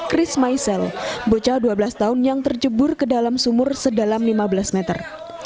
chris maisel bocah dua belas tahun yang tercebur ke dalam sumur sedalam lima belas meter